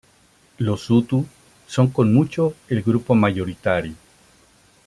Los hutu son con mucho el grupo mayoritario.